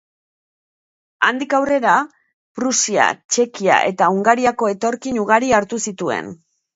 Handik aurrera, Prusia, Txekia eta Hungariako etorkin ugari hartu zituen.